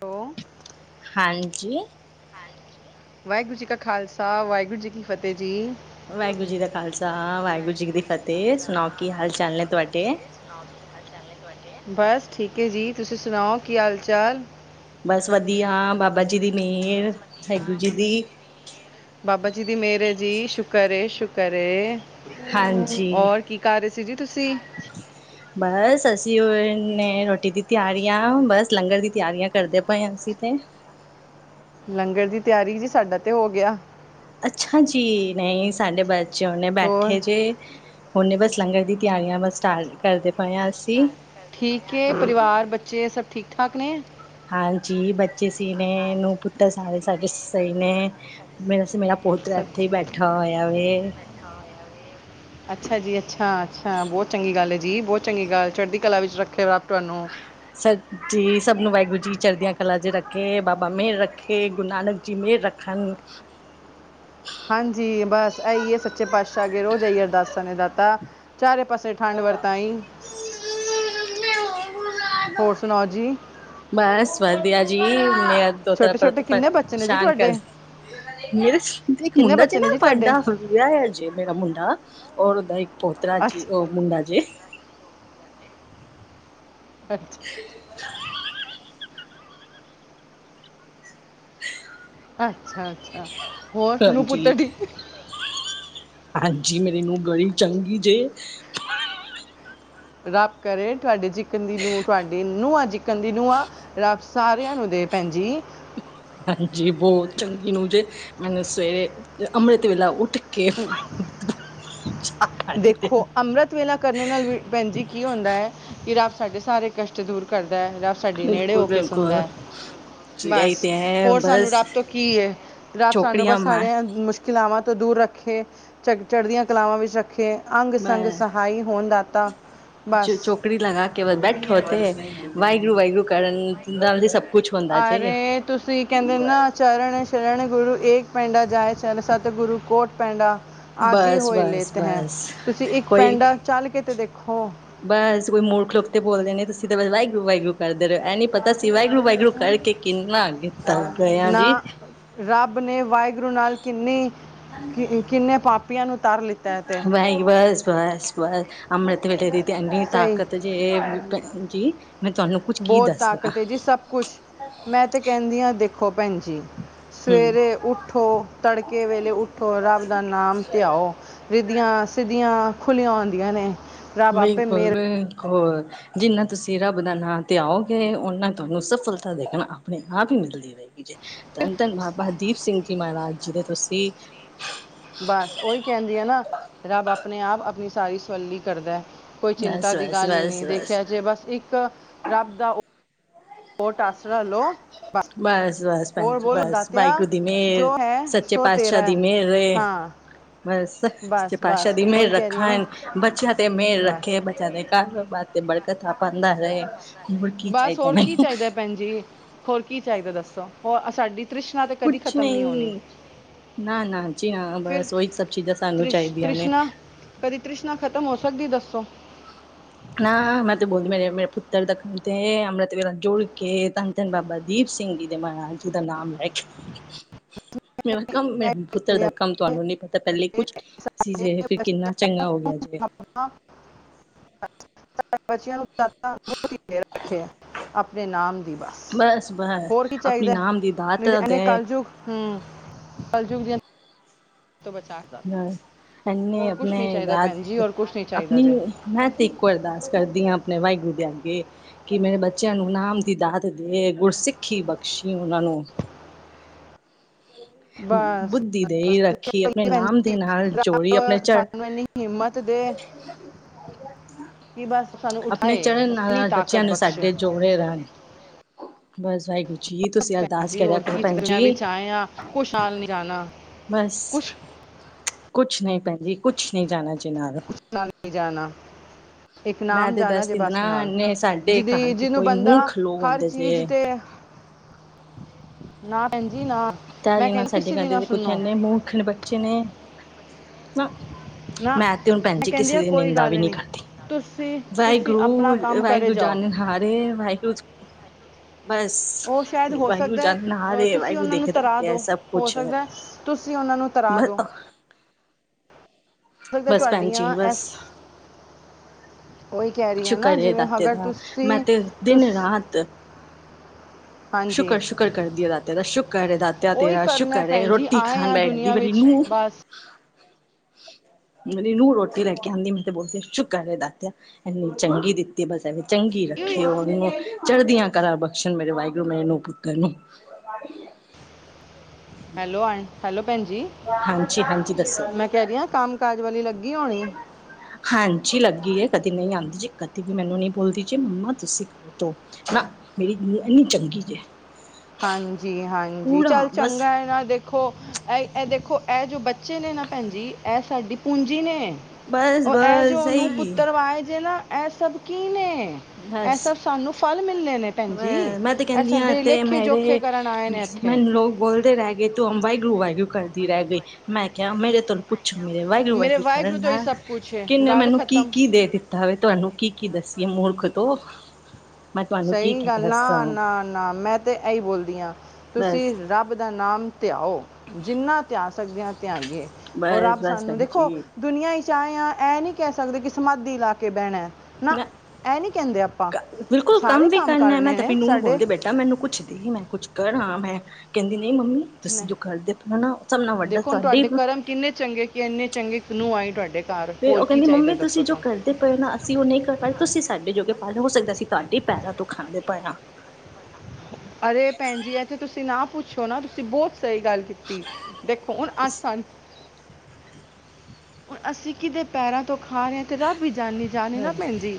ਦੋ ਹਾਂਜੀ ਹਾਂਜੀ ਵਾਹਿਗੁਰੂ ਜੀ ਕਾ ਖ਼ਾਲਸਾ ਵਾਹਿਗੁਰੂ ਜੀ ਕੀ ਫਤਿਹ ਜੀ ਵਾਹਿਗੁਰੂ ਜੀ ਦਾਾ ਖਾਲਸਾ ਵਾਹਿਗੁਰੂ ਜੀ ਦੀ ਫਤਿਹ ਸੁਣਾਓ ਕੀ ਹਾਲ ਚਾਲ ਹੈ ਤੁਹਾਡੇ ਬਸ ਠੀਕ ਹੈ ਜੀ ਤੁਸੀਂ ਸੁਣਾਓ ਕੀ ਹਾਲ ਚਾਲ ਬਸ ਵਧੀਆ ਬਾਬਾ ਜੀ ਦੀ ਮਿਹਰ ਵਹਿਗੁਰੂ ਜੀ ਦੀ ਬਾਬਾ ਜੀ ਦੀ ਮਿਹਰ ਹੈ ਜੀ ਸ਼ੁਕਰ ਏ ਸ਼ੁਕਰ ਏ ਹਾਂਜੀ ਤੁਸੀਂ ਬਸ ਅਸੀਂ ਉਹਨੇ ਰੋਟੀ ਦੀ ਤਿਆਰੀਆਂ ਬਸ ਲੰਗਰ ਦੀ ਤਿਆਰੀਆਂ ਕਰਦੇ ਪਏ ਹਾਂ ਅਸੀਂ ਤੇ ਲੰਗਰ ਦੀ ਤਿਆਰੀ ਜੀ ਸਾਡਾ ਤੇ ਹੋ ਗਿਆ ਅੱਛਾ ਜੀ ਨਹੀਂ ਸਾਡੇ ਬੱਚੇ ਹੁਣੇ ਹੋਰ ਬੈਠੇ ਜੇ ਹੁਨੇ ਬਸ ਲੰਗਰ ਦੀ ਤਿਆਰੀਆਂ ਬ ਸਟਾਰਟ ਕਰਦੇ ਪਏਆਂ ਅਸੀਂ ਠੀਕ ਹੈ ਪਰਿਵਾਰ ਬੱਚੇ ਸਭ ਠੀਕ ਠਾਕ ਨੇ ਹਾਂਜੀ ਬੱਚੇ ਸੀਹੀ ਨੇ ਨੂੰ ਪੁੱਤਰ ਸਾਰੇ ਸਾਡੇ ਸਹੀ ਨੇ ਮੇਰਾ ਸੀ ਮੇਰਾ ਪੁੱਤ ਇਥੇ ਸਬਜ਼ੀ। ਹੀ ਬੈਠਾ ਹੋਇਆ ਵ। ਅੱਛਾ ਜੀ ਅੱਛਾ ਅੱਛਾ ਬਹੁਤ ਚੰਗੀ ਗੱਲ ਹੈ ਜੀ ਬਹੁਤ ਚੰਗੀ ਗੱਲ ਚੜ੍ਹਦੀ ਕਲਾ ਵਿੱਚ ਰੱਖੇ ਰੱਬ ਤੁਹਾਨੂੰ ਸੱਚੀ ਸਭ ਨੂੰ ਵਾਹਿਗੁਰੂ ਜੀ ਚਰਦਿਆਂ ਕਲਾ ਜ ਰੱਖੇ ਬਾਬਾ ਮੇਹਰ ਰੱਖੇ ਗੁਰੂ ਨਾਨਕ ਜੀ ਮੇਹਰ ਰੱਖੇ। ਖਣ। ਹਾਂਜੀ ਬਸ ਇਹੀਏ ਸੱਚੇ ਪਾਤਸ਼ਾਹ ਅੱਗੇ ਰੋਜ਼ ਏਹਿਆ ਅਰਦਾਸਾਂ ਨੇ ਦਾਤਾ ਚਾਰੇ ਪਾਸੇ ਠੰਡ ਵਰਤਾਾਈ ਹੋਰ ਸੁਣਾਓ ਜੀ। ਬਸ ਵਧੀਆ ਜੀ ਵਦੀਆ ਦੋਤਰਾ ਛੋਟੇ ਪਰਤ ਛੋਟੇ ਪਰ ਕਿੰਨੇ ਬੱਚੇ ਨੇ ਜੀ ਸ਼ਾਨ ਕਰ ਤੁਹਾਡੇ ਮੇਰੇ ਇੱਕ ਕਿੰਨੇ ਮੁੰਡਾ ਜੈ ਬੱਚੇ ਨੇ ਨਾ ਜੀ ਤੁਹਾਡੇ ਤੁਹਾਡਾ ਵਿਆਹ ਆ ਜੇ ਮੇਰਾ ਮੁੰਡਾ ਔਰ ਉਹਦਾ ਇੱਕ ਪੋਤ ਜੀ ਅੱਛਾ ਉਹ ਮੁੰਡਾ ਜੇ ਅੱਛਾ [unintelligible] ਅੱਛਾ ਅੱਛਾ ਹੋਰ ਨੂੰ ਹਾਂਜੀ ਪੁੱਤਰ ਠੀਕ ਨੇ ਹਾਂਜੀ ਮੇਰੇ ਨੂੰ ਬੜੀ ਚੰਗੀ ਜੇ ਰੱਬ ਕਰੇ ਤੁਹਾਡੇ ਚਿਕਨ ਦੀ ਨੂੰਹ ਤੁਹਾਡੇ ਨਹਾਂ ਚਿਕਨ ਦੀ ਨ ਨੂੰਹਾਂ ਰੱਬ ਸਾਰਿਆਂ ਨੂੰ ਦੇ ਭੈਣ ਜੀ ਹਾਂਜੀ ਬਹੁਤ ਚੰਗੀ ਨੂੰ ਜੇ ਮੈਨੂੰ ਸਵੇਰੇ ਅੰਮ੍ਰਿਤ ਵੇਲਾ ਉੱਠ ਕੇ ਚਾਹ ਪਾਣੀ ਦੇ ਦੇਖੋ ਅੰਮ੍ਰਿਤ ਵੇਲਾ ਕਰਨ ਨਾਲ ਵੀ ਭੈਣ ਜੀ ਕੀ ਹੁੰਦਾ ਹੈ ਕਿ ਰੱਬ ਸਾਡੇ ਸਾਰੇ ਕਸ਼ਟ ਦੂਰ ਕਰਦਾ ਹੈ ਰੱਬ ਸਾਡੇ ਨੇੜੇ ਬਿਲਕੁਲ ਹੋ ਕੇ ਸੁਣਦਾ ਬਿਲਕੁਲ ਹੈ ਬਸ ਹੋਰ ਸਾਨੂੰ ਰੱਬ ਤੋਂ ਕੀ ਹੈ ਰੱਬ ਸਾਨੂੰ ਬਸ ਸਾਰਿਆਂ ਮੁਸ਼ਕਿਲ ਕਲਾਵਾਂ ਤੋਂ ਦੂਰ ਰੱਖੇ ਚੜ੍ਹ ਚੜ੍ਹਦੀਆਂ ਕਲਾਵਾਂ ਵਿੱਚ ਰੱਖੇ। ਅੰਗ ਸੰੰਗ ਸਹਾਈ ਹੋਣ ਦਾਤਾ ਬਸ। ਪ੍ਰੀਤ ਲਗਾ ਕੇ ਬਸ ਬੈਠੇ ਹੋਤੇ ਵਾਹਿਗੁਰੂ ਵਾਹਿਗੁਰੂ ਕਰਨ ਨਾਲ ਨੂੰ ਸਭ ਕੁਛ ਹੁੰਦਾ ਜੇ ਅਰੇ ਤੁਸੀਂ ਕਹਿੰਦੇ ਨਾ। ਚਰਨ ਸ਼ਰਨ ਗੁਰੂ ਏਕ ਪੈਂਡਾ ਜਾਏ ਚਰਨ ਸਤਿਗੁਰੂ ਕੋਟ ਪੈਂਡਾ। ਆਗੇ ਬਸ ਹੋਏ ਬਸ ਲੇਤ ਹੈ, ਬਸ ਤੁਸੀਂ ਇੱਕ ਕੋਈ ਪੈਂਡਾ ਚੱਲਕੇ ਤੇ ਦੇਖੋ। ਬਸ ਕੋਈ ਮੂਰਖ ਲੋਕ ਤੇ ਬੋਲਦੇ ਨੇ ਤੁਸੀਂ ਤਾਂ ਵਾਹਿਗੁਰੂ-ਵਾਹਿਗੁਰੂ ਕਰਦੇ ਰਹੇ ਹੋ, ਐ ਨੀ ਪਤਾ ਅਸੀ ਵਾਹਿਗੁਰੂ- ਵਾਹਿਗੁਰੂ ਕਰਕੇ ਕਿੰਨਾ, ਕਿੱਤਾ ਗਇਆ ਨਾ ਜੀ। ਰੱਬ ਨੇ ਵਾਹਿਗੁਰੂ ਨਾਲ ਕਿੰਨੀ, ਕਿੰਨੇ ਪਾਪੀਆਂ ਨੂੰ ਤਾਰ ਲਿੱ ਬਾਈ ਬੱਸ, ਬੱਸ, ਬੱਸ, ਅੰਮ੍ਰਿਤ ਵੇਲੇ ਦੀ ਤੇ ਇੰਹਨੀ ਸਹੀ ਤਾਕਤ ਜੇ, ਭੈਣ ਜੀ, ਮੈਂ ਤੁਹਾਨੂੰ ਕੁੱਝ ਕੀ ਬਹੁਤ ਦੱਸਣਾ ਤਾਕਤ ਏ ਜੀ, ਸਭ ਖ਼ੁਸ਼। ਮੈਂ ਤਾਂ ਕਹਿੰਦੀ ਹਾਂ ਦੇਖੋ ਭੈਣ ਜੀ, ਹੂੰ ਸਵੇਰੇ ਉੱਠੋ ਤੜਕੇ ਕੇ ਵੇਲੇ ਉੱਠੋ, ਰੱਬ ਦਾ ਨਾਮ ਧਿਆਓ। ਰਿੱਧੀਆਂ, ਸਿੱਧੀਆਂ ਖੁੱਲੀਆ ਆਓਂਦੀਆਂ ਨੇ। ਰੱਬ ਆਪੇ ਮਿਹਰ ਬਿਲਕੁਲ-ਬਿਲਕੁਲ। ਜਿੰਨਾ ਤੁਸੀਂ ਰੱਬ ਦਾ ਨਾਂ ਧਿਆਓਗੇ, ਓਨਾ ਤੁਹਾਂਨੂੰ ਸਫਲਤਾ ਦੇਖਣਾ, ਆਪਣੇ-ਆਪ ਹੀ ਮਿਲਦੀ ਰਹੇਗੀ। ਧੰਨ-ਧੰਨ ਤਨ ਬਾਬਾ ਦੀਪ ਸਿੰਘ ਜੀ ਦੇ ਮਹਾਰਾਜ ਜੀ ਦੇ ਤੁਸੀਂ ਬਸ ਓਹੀ ਕਹਿੰਦੀ ਆ ਨਾ, ਰੱਬ ਅਪਣੇ-ਆਪ ਆਪਣੀ ਸਾਰੀ ਸੱਵਲੀ ਕਰਦਾ। ਕੋਈ ਚਿੰਤਾ ਬਸ ਦੀ ਬਸ ਗੱਲ ਈ ਬਸ ਨਹੀਂ ਬਸ ਦੇਖਿਆ ਜੇ, ਬਸ, ਇੱਕ ਰੱਬ ਦਾ ਓਟ ਆਸਰਾ ਲਓ ਬਸ, ਬਸ ਭੈਣ ਹੋਰ ਜੀ, ਬੋਲੋ ਬਸ ਦਾਤਿਆ ਵਾਹਿਗੁਰੂ ਦੀ ਮਿਹਰ, ਜੋ ਹੈ ਸ ਸੱਚੇ ਸੋ ਤੇਰਾ ਪਾਤਸ਼ਾਹ ਦੀ ਹੈ ਮਿਹਰ ਏ। ਹਾਂ ਬਸ, ਸੱਚੇ ਬਸ ਬਸ ਪਾਤਸ਼ਾਦੀ ਦੀ ਮਿਹਰ ਉਹੀ ਕਹਿ ਰਹੀ ਆ ਰੱਖਾਂ, ਨਾ ਬੱਚਿਆਂ ਤੇ ਮਿਹਰ ਬਸ ਰੱਖੇ, ਬੱ ਬੱਚਿਆਂ ਦੇ, ਕਾਰੋਬਾਰ ਤੇ ਬੜਕਤਾਂ ਪਾਂਦਾ ਰਹੇ। ਹੋਰ ਕੀ ਬਸ ਚਾਹੀਦਾ ਹੋਰ ਕੀ ਮੈਨੂੰ ਚਾਹੀਦਾ ਭੈਣ ਜੀ, ਹੋਰ ਕੀ ਚਾਹੀਦਾ ਦੱਸੋ। ਹੋਰ ਸਾਡੀ ਤ੍ਰਿਸ਼ਨਾ ਤੇ, ਕਦੀ ਖਤਮ ਨਹੀਂ ਹੋਣੀ। ਨਾ-ਨਾ ਜੀ, ਹਾਂ, ਫਿਰ ਬਸ ਉਹੀ ਸਭ ਚੀਜ਼ਾਂ ਸਾਨੂੰ ਤ੍ਰਿਸ਼ ਚਾਹੀਦੀਆਂ ਨੇ। ਤ੍ਰਿਸ਼ਨਾ ਕਦੀ ਤ੍ਰਿਸ਼ਨਾ ਖ਼ਤਮ ਹੋ ਸਕਦੀ, ਦੱਸੋ? ਨਾ, ਮੈਂ ਤੇ ਬੋਲਦੀ, ਮੇਰੇ, ਮੇਰੇ ਪੁੱਤਰ ਦੇ ਕੰਮ ਤੇ, ਅੰਮ੍ਰਿਤਵੇਲਾ ਜੁੜਕੇ, ਧੰਨ ਧੰਨ-ਧੰਨ ਬਾਬਾ ਦੀਪ ਸਿੰਘ ਜੀ ਦੇ, ਮਹਾਰਾਜ ਜੀ ਦਾ ਨਾਮ ਲੈਕੇ [inaudible] ਮੇਰਾ ਕੰਮ ਏ। ਪੁੱਤਰ ਦਾ ਕਹਿੰਦੀਆਂ, ਕੰਮ ਤੁਹਾਨੂੰ ਨੀ ਪਤਾ, ਪਹਿਲੇ ਕੁਛ [inaudible] ਸੀ ਜੇ, ਫਿਰ ਕਿੰਨਾ ਚੰਗਾ ਹੋਗਿਆ ਜੇ। ਅੱਛਾ [inaudible] ਬੱਚਿਆਂ ਨੂੰ ਦਾਤਾ‌ ਬਹੁਤ ਹੀ ਅੱਗੇ ਰੱਖਿਆ, ਆਪਣੇ ਨਾਮ ਦੀ ਬੱਸ। ਬਸ ਬਸ ਹੋਰ ਕੀ ਆਪਣੀ ਚਾਹੀਦਾ! ਨਾਮ ਦੀ ਦਾਤ ਨਹੀਂ ਤੇ, ਇਹਨੇ ਦੇ ਕਲਜੁਗ ਹੂੰ, ਕਲਜੁਗ ਦੇ ਅੰ ਤੋ ਬਚਾ ਹੋਰ ਇਹਨੇ ਕੁਝ ਅਪਨੇ ਨਹੀਂ ਚਾਹੀਦਾ ਭੈਣ ਜੀ ਹੋਰ ਕੁਝ ਨਹੀਂ ਚਾਹੀਦਾ ਦਾਦ--ਅਪਨੀ ਜੇ ''ਮੈਂ ਤੇ ਇੱਕੋ ਅਰਦਾਸ ਕਰਦੀ ਹਾਂ ਆਪਣੇ 'ਵਾਹਿਗੁਰੂ' ਦੇ ਅੱਗੇ ਕਿ ਮੇਰੇ ਬੱਚਿਆਂ ਨੂੰ ਨਾਮ ਦੀ ਦਾਤ ਦੇ, ਗੁਰਸਿੱਖੀ ਬਖਸ਼ੀ ਉਹਨਾਂ ਨੂੰ। ਬਸ ਬੁੱਧੀ ਬਸ ਦੇ ਰੱਖੀ ਆਪਣੇ ਨਾਮ ਦੇ ਭੈਣਜੀ, ਨਾਲ ਰੱਬ ਜੋੜੀ ਆਪਣੇ ਚੜ ਸਾੰਨੁ ਇਹਨੀ ਹਿੰਮਤ ਦੇ ਕਿ ਬਸ ਸਾਨੂੰ ਉਠਾਏ, ਇਤਨੀ ਤਾਕਤ ਬਖਸ਼ੇ। ਉੜੇ ਰਹਿਣ ਹ। [inaudible] ਬਸ ਵਾਹਿਗੁਰੂ ਜੀ, ਤੁਸੀਂ ਅਰਦਾਸ ਕਰਿਆ ਕਰੋ ਕੀ ਭੈਣ ਚਾਹੀਦਾ? ਦੁਨੀਆ ਜੀ। ਵਿੱਚ ਆਏ ਆ ਕੁਛ ਨਾਲ ਨਹੀਂ ਜਾਣਾ ਬਸ। ਕੁਛ ਕੁਛ ਨਹੀਂ ਭੈਣਜੀ, ਕੁਛ ਨਹੀਂ ਜਾਣਾ ਜੇ ਨਾਲ। ਨਾਲ ਨਹੀਂ ਜਾਣਾ। ਇੱਕ ਮੈਂ ਨਾਮ ਤੇ ਜਾਣਾ ਜੇ ਦੱਸਦੀ ਬੱਸ ਨਾ ਨਾਲ, ਇੰਨੇ ਸਾਡੇ ਘਰ ਜਿਹਦੀ, ਦੇ ਜਿਹਨੂੰ ਕੋਈ ਬੰਦਾ ਮੂਰਖ ਲੋਕ ਹਰ ਹੁੰਦੇ ਚੀਜ਼ ਜੇ। ਤੇ ਨਾ, ਭੈਣ ਜੀ, ਨਾ। ਤਾ ਮੈਂ ਵੀ ਨਾ, ਕਹਿੰਦੀ ਸਾਡੇ ਕਿਸੇ ਦੀ ਘਰਦੇ ਨਾ ਦੇ ਕੁਛ ਸੁਣੋ ਮੁਰਖ ਬੱਚੇ ਨੇ, ਨਾ ਨਾ ''ਮੈਂ ਤੇ ਹੁਣ ਮੈਂ ਭੈਣਜੀ, ਕਹਿੰਦੀ ਕਿਸੇ ਆ ਦੀ ਕੋਈ ਨਿੰਦਾ ਵੀ ਗੱਲ ਨਹੀਂ ਕਰਦੀ। ਤੁਸੀਂ ਤੁਸੀਂ ਆਪਣਾ ਵਾਹਿਗੁਰੂ, ਕੰਮ ਕਰੇ ਵਾਹਿਗੁਰੂ ਜਾਓ ਜਾਨਣ। ਹਾਰੇ, 'ਵਾਹਿਗੁਰੂ' ਬਸ ਉਹ ਸ਼ਾਇਦ ਹੋ ਵਾਹਿਗੁਰੂ ਸਕਦਾ ਹੈ ਜਾਂਨਣ ਹਾਰ ਅਹ, ਏ, ਤੁਸੀਂ ਵਾਹਿਗੁਰੂ ਉਹਨਾਂ ਨੂੰ ਦੇਖਦਾ ਤਰਾ ਇਹ ਦਿਓ ਸਭ ਹੋ ਕੁਛ ਹੈ ਸਕਦਾ ਤੁਸੀਂ ਉਹਨਾਂ ਨੂੰ ਤਰਾ ਮ। ਦਿਓ ਹੋ ਸਕਦਾ ਬਸ ਭੈਣ ਜੀ ਤੁਹਾਡੀਆਂ ਬਸ। ਐਸ ਉਹੀ ਕਹਿ ਰਹੀ ਹੈ ਨਾ ਸ਼ੁਕਰ ਏ ਜਿਵੇਂ ਦਾਤੇ ਅਗਰ ਦਾ ਮੈਂ ਤੁਸੀਂ ਤੇ ਦਿਨ ਤੁਸ ਰਾਤ। ਹਾਂਜੀ ਸ਼ੁਕਰ ਸ਼ੁਕਰ ਕਰਦੀ ਦਾਤੇ ਦਾ ਸ਼ੁਕਰ ਏ। ਦਾਤਿਆ ਉਹੀ ਤੇਰਾ ਕਰਨਾ ਹੈ ਸ਼ੁਕਰ ਭੈਣ ਰੋਟੀ ਖਾਣ ਬੈਠਦੀ ਮੇਰੀ ਨੂੰਹ। ਹ ਮੇਰੀ ਨੂੰਹ ਰੋਟੀ ਲੈ ਕੇ ਆਉਂਦੀ ਮੈਂ ਤੇ ਬੋਲਦੀ ਸ਼ੁਕਰ ਏ ਦਾਤਿਆ। ਇਨੀ ਚੰਗੀ ਦਿੱਤੀ ਬਸ। ਚੰਗੀ ਹੋਈ। ਰੱਖੇ ਉਹਨੂੰ ਚੜ੍ਹਦੀਆਂ ਕਲਾਂ ਬਖਸ਼ਣ ਮੇਰੇ ਵਾਹਿਗੁਰੂ ਮੇਨੂੰ ਪੁੱਤਰ ਨੂੰ। ਹੈਲੋ, ਆ ਹੈਲੋ ਭੈਣ ਜੀ ਹਾਂਜੀ ਹਾਂਜੀ ਦੱਸੋ ਮੈਂ ਕਹਿ ਰਹੀ ਹਾਂ ਕੰਮ ਕਾਜ ਵਾਲੀ ਲੱਗੀ ਹੋਣੀ? ਹਾਂਜੀ ਲੱਗੀ ਏ ਕਦੇ ਨਹੀਂ ਆਉਂਦੀ ਜੀ। ਕਦੇ ਵੀ ਮੈਨੂੰ ਨਹੀਂ ਬੋਲਦੀ ਜੇ ਮੰਮਾ ਤੁਸੀਂ। ਤੋ ਨਾ ਮੇਰੀ ਨੂੰਹ ਐਨੀ ਚੰਗੀ ਜੇ। ਹਾਂਜੀ, ਹਾਂਜੀ ਪੂਰਾ ਚੱਲ ਬਸ ਚੰਗਾ ਇਹ ਨਾ ਦੇਖ। ਦੇਖੋ ਇਹ ਇਹ ਦੇਖੋ ਇਹ ਜੋ ਬੱਚੇ ਨੇ ਨਾ ਭੈਣ ਜੀ ਇਹ ਸਾਡੀ ਪੂੰਜੀ ਨੇ। ਬਸ ਉਹ ਇਹ ਜੋ ਬਸ ਉਹ ਨੂੰਹ ਸਹੀ ਪੁੱਤਰ ਵਾਏ ਜੇ ਨਾ। ਇਹ ਸਭ ਕੀ ਨੇ ਇਹ ਸਭ ਸਾਨੂੰ ਫਲ ਮਿਲਣੇ ਨੇ। ਭੈਣ ਵ ਜੀ ਮੈਂ ਤੇ ਇਹ ਕਹਿੰਦੀ ਹਾਂ ਸਾਡੇ ਤੇ ਲੇਖੇ ਜੋਖੇ ਮੇਰੇ ਕਰਨ ਆਏ ਨੇ ਇੱਥੇ ਮੈਨੂੰ ਲੋਕ ਬੋਲਦੇ ਰਹਿ ਗਏ। ਵਾਹਿਗੁਰੂ ਵਾਹਿਗੁਰੂ ਕਰਦੀ ਰਹਿ ਗਈ ਮੈਂ ਕਿਹਾ ਮੇਰੇ ਤੋਂ। ਪੁੱਛੋ ਮੇਰੇ ਵਾਹਿਗੁਰੂ ਮੇਰੇ ਵਾਹਿਗੁਰੂ ਕਰਨ ਤੋਂ ਹੀ ਨਾ ਸਭ ਕੁਛ ਹੈ ਕਿੰਨੇ ਗੱਲ ਮੈਨੂੰ ਕੀ ਖਤਮ ਕੀ ਦੇ ਦਿੱਤਾ। ਤੁਹਾਨੂੰ ਕੀ ਕੀ ਦੱਸੀਏ ਮੂਰਖ ਤੋਂ ਮੈਂ ਤੁਹਾਨੂੰ ਕੀ ਸਹੀ ਕੀ ਗੱਲ ਦੱਸਾਂ ਨਾ ਨਾ ਨਾ ਮੈਂ ਤਾਂ ਇਹੀ ਬੋਲਦੀ ਹਾਂ ਬਸ ਤੁਸੀਂ ਰੱਬ ਦਾ ਨਾਮ ਧਿਆਓ ਜਿੰਨਾ ਧਿਆ ਸਕਦੇ ਹ ਧਿਆਈਏ ਉਹ ਬਸ ਰੱਬ ਬਸ ਸਾਨੂੰ ਭੈਣ ਦੇਖੋ। ਜੀ ਦੁਨੀਆਂ ਵਿਚ ਚ ਆਏ ਆ ਇਹ ਨਹੀਂ ਕਹਿ ਸਕਦੇ ਕਿ ਸਮਾਧੀ ਲਾ ਕੇ ਬਹਿਣਾ। ਨਾ ਮੈਂ ਇਹ ਨਹੀਂ ਕਹਿੰਦੇ ਆਪਾਂ। ਬਿਲਕੁਲ ਕੰਮ ਸਾਰੇ ਵੀ ਕਰਨਾ ਮੈਂ ਕਰਨੇ ਤਾਂ ਆਪੀ ਨੇ ਨੂੰਹ ਨੂੰ ਸਾਡੇ ਬੋਲਦੀ ਬੇਟਾ ਮੈਨੂੰ ਕੁੱਛ ਦੀ ਮੈਂ। ਕੁਛ ਕਰ ਮੈਂ ਕਹਿੰਦੀ ਨਹੀਂ ਮੰਮੀ ਨੇ ਤੁਸੀਂ ਜੋ ਕਰਦੇ ਪਏ ਨਾ ਉਹ ਸਬ ਨਾਲ ਵੱਡਾ ਦੇਖੋ ਹੁਣ ਤੁਹਾਡੇ। ਕਰਮ ਕਿੰਨੇ ਚੰਗੇ ਕਿ ਇੰਨੇ ਚੰਗੇ ਕਿ ਐਨੀ ਚੰਗੀ ਨੂੰਹ ਆਈ ਤੁਹਾਡੇ ਘਰ ਹੋਰ ਕੀ ਚਾਹੀਦਾ ਦੱਸੋ ਤੁਹਾਨੂੰ। ਦੇ ਪਏ ਨਾ ਅਸੀਂ ਉਹ ਨਹੀਂ ਕਰ ਪਾਏ ਤੁਸੀਂ ਸਾਡੇ ਜੋਗੇ ਪਾ ਲਓ ਹੋ ਸਕਦਾ ਅਸੀਂ ਤੁਹਾਡੇ ਪੈਰਾਂ ਤੋਂ ਖਾਂਦੇ ਪਏ ਆ। ਅਰੇ ਭੈਣ ਜੀ, ਇੱਥੇ ਤੁਸੀਂ ਨਾ ਪੁੱਛੋ ਨਾ ਤੁਸੀਂ ਬਹੁਤ ਸਹੀ ਗੱਲ। ਕੀਤੀ ਦੇਖੋ ਹੁਣ ਆਸਾਨ। ਹੁਣ ਅਸੀਂ ਕਿਦੇ ਪੈਰਾਂ ਤੋਂ ਖਾ ਰਹੇ ਹਾਂ ਅਤੇ ਰੱਬ ਵੀ ਜਾਂਣੀ ਜਾਣ ਏ ਨਾ ਭੈਣ ਜੀ।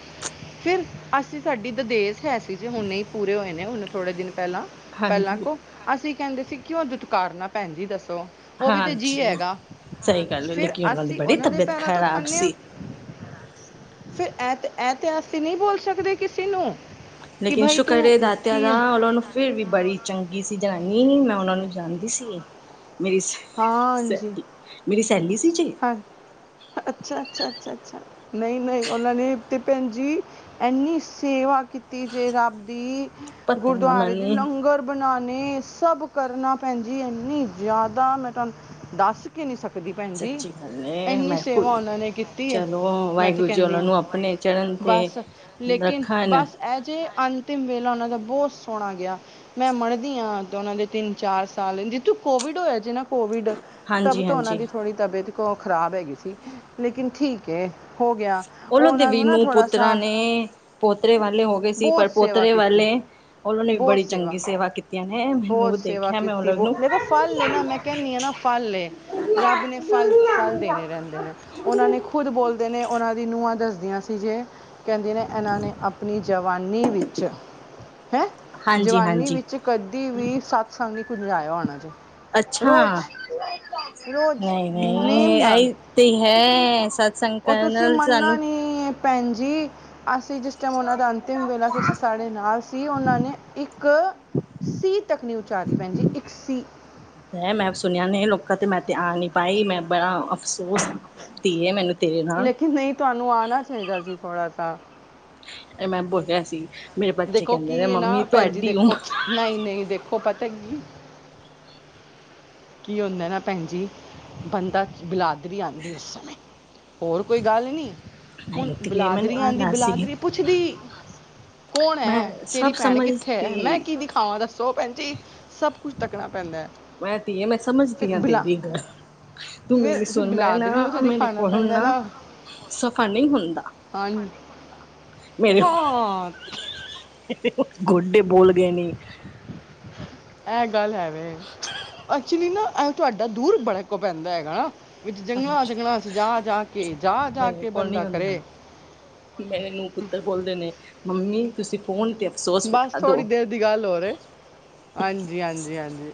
ਫਿਰ ਅਸੀਂ ਸਾਡੀ ਦਦੇਸ ਹੈ ਸੀ ਜ ਹੁਣ ਹੀ ਪੂਰੇ ਹੋਏ ਨੇ ਹੁਨ ਥੋੜੇ ਦਿਨ ਪਹਿਲਾਂ। ਪਹਿਲਾਂ ਹਾਂਜੀ ਕੋਹ ਅਸੀਂ ਕਹਿੰਦੇ ਸੀ ਕਿਉਂ ਦੁਤਕਾਰਨਾ ਭੈਣ ਜੀ ਦੱਸੋ। ਉਹ ਵੀ ਤੇ ਜੀਅ ਹਾਂਜੀ ਹੈਗਾ ਸਹੀ ਗੱਲ ਹੈ ਫਿਰ ਲੇਕਿਨ ਦੀ ਅਸੀਂ ਬੜੀ ਉਹਨਾਂ ਦੇ ਤਬੀਅਤ ਪੈਰਾਂ ਤੋਂ ਖ਼ਰਾਬ ਖਾਂਦੇ ਹਾਂ। ਸੀ ਫਿਰ ਇਹ ਤੇ ਇਹ ਤੇ ਅਸੀਂ ਨਹੀਂ ਬੋਲ ਸਕਦੇ ਕਿਸੇ ਨੂੰ। ਕਿ ਲੇਕਿਨ ਭਾਈ ਸ਼ੁਕਰ ਤੂੰ ਏ ਦਾਤਿਆ ਕੀ ਦਾ ਉਹਨਾਂ ਨੂੰ। ਫਿਰ ਵੀ ਬੜੀ ਚੰਗੀ ਸੀ ਜਨਾਨੀ ਮੈਂ ਉਹਨਾਂ ਨੂੰ ਜਾਣਦੀ ਸੀ ਮੇਰੀ। ਹਾਂ ਜੀ ਸੈਲੀ ਮੇਰੀ ਸੈਲੀ ਸੀ ਜੇ। ਹਾਂ ਅੱਛਾ, ਅੱਛਾ, ਅੱਛਾ, ਅੱਛਾ ਨਹੀਂ ਨਹੀਂ ਉਹਨਾਂ ਨੇ ਤੇ ਭੈਣ ਜੀ। ਇੰਨੀ ਸੇਵਾ ਕੀਤੀ ਜੇ ਰੱਬ ਦੀ ਪਤਾ ਨਾ ਗੁਰਦੁਆਰੇ ਦੇ ਮੈਨੂੰ ਲੰਗਰ। ਬਣਾਉਣੇ ਸਭ ਕਰਨਾ ਭੈਣ ਜੀ ਇਨੀ ਜਿਆਦਾ ਮੈਂ ਤੁਹਾਨੂੰ ਦੱਸ ਵੀ ਨਹੀਂ ਸਕਦੀ। ਦੀ ਭੈਣ ਜੀ, ਸੱਚੀ ਗੱਲ ਏ ਇਨੀ ਮੈਂ ਸੇਵਾ ਭੁੱਲ ਉਹਨਾਂ ਨੇ ਕੀਤੀ ਹੈ ਚਲੋ ਮੈਂ ਤੇ ਵਾਹਿਗੁਰੂ ਜੀ ਕਹਿੰਦੀ ਉਹਨਾਂ ਆ ਨੂੰ ਆਪਣੇ ਚਰਨ ਵਾਹਿਗੁਰੂ। ਤੇ ਬਸ ਲੇਕਿਨ ਰੱਖਣ ਬਸ ਇਹ ਜਿਹੇ ਅੰਤਿਮ ਵੇਲਾ ਉਹਨਾਂ ਦਾ ਬਹੁਤ ਸੋਹਣਾ ਗਿਆ। ਮੈਂ ਮੰਨਦੀ ਹਾਂ ਉਹਨਾਂ ਦੇ ਤਿੰਨ ਚਾਰ ਸਾਲ ਜਿਤੂ ਕੋਵਿਡ ਹੋਇਆ। ਜਿਨਾ ਕੋਵਿਡ ਤਬ ਹਾਂਜੀ ਤੋਂ ਉਹਨਾਂ ਹਾਂਜੀ ਦੀ ਥੋੜ੍ਹੀ ਤਬੀਅਤ ਕੋ ਖ਼ਰਾਬ ਹੈਗੀ ਸੀ ਲੇਕਿਨ ਠੀਕ ਹੈ। ਹੋ ਗਿਆ ਉਹ ਲੋਗ ਦੇ ਉਹਨਾਂ ਵੀ ਨੂੰ ਨਾ ਨੂਹ ਥੋੜਾ ਪੁੱਤਰਾਂ ਸਾ ਨੇ ਪੋਤਰੇ ਵਾਲੇ ਹੋ ਗਏ ਸੀ ਬਹੁਤ ਪਰ ਸੇਵਾ ਪੋਤਰੇ ਕੀਤੀ ਵਾਲੇ। ਉਹਨਾਂ ਨੇ ਵੀ ਬੜੀ ਚੰਗੀ ਸੇਵਾ ਕੀਤੀ। ਬਹੁਤ ਸੇਵਾ ਕੀਤੀ ਬ ਦੇਖੋ ਫਲ ਨੇ ਨਾ ਮੈਂ ਕਹਿੰਦੀ ਹਾਂ ਨਾ ਫਲ ਏ। ਰੱਬ ਨੇ ਫਲ ਫਲ ਦੇਣੇ ਰਹਿੰਦੇ ਨੇ ਉਹਨਾਂ ਨੇ। ਖੁਦ ਬੋਲਦੇ ਨੇ ਉਹਨਾਂ ਦੀ ਨੂੰਹਾਂ ਦੱਸਦੀਆਂ ਸੀ ਜੇ ਕਹਿੰਦੇ ਨੇ ਇਹਨਾਂ ਨੇ ਆਪ। ਅਪਨੀ ਜਵਾਨੀ ਵਿੱਚ, ਹੈਂ ਹਾਂਜੀ ਜਵਾਨੀ ਹਾਂਜੀ ਵਿੱਚ ਕਦੀ ਵੀ ਸਤਸੰਗ ਨੀ [unintelligible] ਹੋਣਾ ਜੋ ਅੱਛਾ ਰੋਜ਼ ਰੋਜ਼ ਨਹੀਂ ਨੇਮ ਨਹੀਂ ਨਾਲ ਆਈ ਤੇ ਹੈ ਸ ਓ ਤੁਸੀਂ ਮੰਨਨਾ ਨੀ ਭੈਣ ਜੀ ਅਸੀਂ ਜਿਸ ਜਿਸ ਟਾਈਮ ਓਨਾਂ ਦਾ ਅੰਤਿਮ ਵੇਲਾ ਸੀ ਸਾਡੇ ਨਾਲ ਸੀ ਓਨਾਂ ਨੇ ਇੱਕ ਸੀ ਤੱਕ ਨਹੀਂ ਉਚਾਰੀ ਪੈਨ ਜੀ ਇੱਕ ਸੀ। ਤੇ ਮੈਂ ਸੁਨਿਆ ਨੇ ਲੋਕਾਂ ਤੇ ਮੈਂ ਤੇ ਆ ਨੀ ਪਾਈ ਮੈਂ ਬੜਾ ਅਫਸੋਸ ਧੀਏ ਮੈਨੂੰ ਤੇਰੇ ਨਾ ਲੇਕਿਨ ਨਈ ਤੁਹਾਨੂੰ ਆਨਾ ਚਾਈਦਾ ਸੀ ਥੋੜਾ ਤਾਂ। ਐ ਮੈਂ ਬੋਲਿਆ ਸੀ ਮੇਰੇ ਬੱਚੇ ਕਹਿੰਦੇ ਨੇ ਮੰਮੀ ਤੁਹਾਡੀ ਉਮਰ ਨਈ-ਨਈ, ਦੇਖੋ ਪਤਾ ਕੀ ਕੀ ਹੁੰਦਾ ਨਾ ਭੈਣ ਜੀ ਬੰਦਾ ਬਿਲਾਦਾਰੀ ਆਂਦੀ ਉਸ ਸਮੇਂ। ਹੋਰ ਕੋਈ ਗੱਲ ਨੀ, ਹੁਨ ਨਹੀਂ ਧੀਏ ਮੈਨੂੰ ਬਲਾਦਰੀ ਆਂਦੀ ਆਂਦਾ ਸੀ ਬਲਾਦਰੀ ਪੁਛਦੀ। ਕੌਣ ਮੈਂ ਹੈ, ਤੇਰੀ ਸਭ ਭੈਣ ਕਿੱਥੇ ਐ? ਮੈਂ ਸਮਝਤੀ ਕਿ ਦਿਖਾ ਥਾਵਾਂ ਦੱਸੋ ਭੈਣ ਜੀ, ਸਭ ਕੁਛ ਤੱਕਣਾ ਪੈਂਦਾ। ਮੈਂ ਧੀਏ ਮੈਂ ਫਿਰ ਸਮਝਦੀ ਆਂ ਬਲਾ ਤੇਰੀ ਗੱਲ। ਤੂੰ ਫਿਰ ਮੇਰੀ ਫਿਰ ਸੁਨ ਲੈ ਨਾ ਬਲਾਦਰੀ ਨੂੰ ਤੇ ਮੇਰੇ ਦਿਖਾਣਾ ਕੋਲ ਹੁਨ ਪੈਂਦਾ ਹੈ ਨਾ ਸਫ਼ਰ ਨੀ ਹੁੰਦਾ। ਹਾਂ। ਮੇਰੇ [unintelligible] ਗੋਡੇ ਬੋਲ ਗਏ ਨੇ। ਐ ਗੱਲ ਹੈ ਵੇ, ਐਕਚੁਲੀ ਨਾ ਐ ਤੁਹਾਡਾ ਦੂਰ ਬੜਾ ਕੁ ਪੈਂਦਾ ਹੈਗਾ। ਵਿੱਚ ਜੰਗਲਾਂ, ਜੰਗਲਾਂ 'ਚ ਜਾ ਜਾ ਕੇ, ਜਾ ਜਾ ਮੇਰੇ ਕੇ ਕੋਲ ਨੀ ਬੰਦਾ ਹੁੰਦਾ ਕਰੇ। ਮੇਰੇ ਨੂੰ ਪੁੱਤਰ ਬੋਲਦੇ ਨੇ ਮੰਮੀ ਤੁਸੀਂ ਫੋਨ ਤੇ ਅਫਸੋਸ ਬਸ ਵਿਤਾ ਦੋ। ਥੋੜੀ ਦੇਰ ਦੀ ਗੱਲ ਹੋ ਰੇ ਹਾਂਜੀ, ਹਾਂਜੀ, ਹਾਂਜੀ।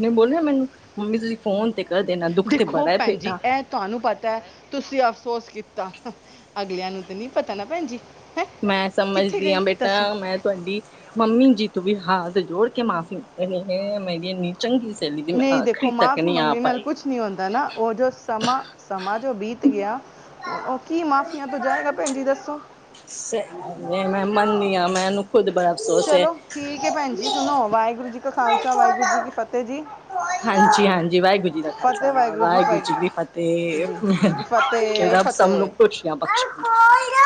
ਨੇ ਬੋਲਿਆ ਮੈਨੂੰ, ਮੰਮੀ ਤੁਸੀਂ ਫੋਨ ਤੇ ਕਰ ਦੇਣਾ ਦੁੱਖ ਤੇ ਦਿਖੋ ਬੜਾ ਹੈ ਪੈਨ ਜੀ ਬੇਟਾ ਐ ਤੁਹਾਨੂੰ ਪਤਾ ਐ ਤੁਸੀਂ ਅਫਸੋਸ ਕੀਤਾ, ਅਗਲਿਆਂ ਨੂੰ ਤੇ ਨੀ ਪਤਾ ਨਾ ਭੈਣ ਜੀ। ਹੈ ਮੈਂ ਕਿੱਥੇ ਸਮਝਦੀ ਗਈ ਆਂ ਬੇਟਾ ਦੱਸੋ ਮੈਂ ਤੁਹਾਡੀ ਮੰਮੀ ਜੀ ਤੁੂੰ ਵੀ ਹਾਥ ਜੋੜ ਕੇ ਮਾਫ਼ੀ [unintelligible] ਹੈ ਮੇਰੀ ਚੰਗੀ ਸੈਲੀ ਦੀ ਮੈਂ ਖਰੀਦ ਤੱਕ ਨੀ ਆ ਪਾਾਈ। ਕੁਛ ਨੀ ਹੁੰਦਾ ਨਾ ਓ ਜੋ ਸਮਾਂ, ਸਮਾਂ ਜੋ ਬੀਤ ਗਿਆ ਓ ਕੀ ਮਾਫੀਆਂ ਤੋਂ ਜਾਏਗਾ ਭੈਣ ਜੀ ਦੱਸੋ। ਸੈ ਮੈਂ ਮੰਨਦੀ ਆਂ, ਮੈਂਨੂੰ ਖੁਦ ਬੜਾ ਅਫਸੋਸ ਹੈ। ਚਲੋ ਠੀਕ ਹੈ ਭੈਣ ਜੀ, ਸੁਣੋ ਵਾਹਿਗੁਰੂ ਜੀ ਕਾ ਖਾਲਸਾ, ਵਾਹਿਗੁਰੂ ਜੀ ਕੀ ਫਤਿਹ ਜੀ। ਹਾਂਜੀ-ਹਾਂਜੀ, ਵਾਹਿਗੁਰੂ ਜੀ ਦਾ ਖ਼ਾਲਸਾਾ, ਵਾਹਿਗੁਰੂ ਜੀ ਕੀ ਜੀ ਜੀ ਕੀ ਫ਼ਤਿਹ। ਫਤਿਹ ਰੱਬ ਸਭ ਨੂੰ ਫਤਿਹ ਖੁਸ਼ੀਆਂ ਬਖ਼ਸ਼ਨ।